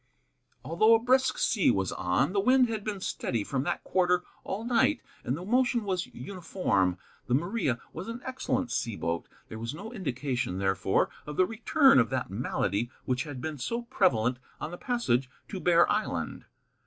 Although a brisk sea was on, the wind had been steady from that quarter all night, and the motion was uniform. The Maria was an excellent sea boat. There was no indication, therefore, of the return of that malady which had been so prevalent on the passage to Bear Island.